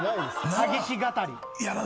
詐欺師語り。